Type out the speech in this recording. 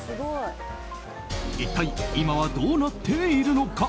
一体今はどうなっているのか？